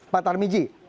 pak sutar miji